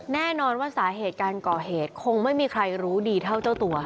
แน่นอนว่าสาเหตุการก่อเหตุคงไม่มีใครรู้ดีเท่าเจ้าตัว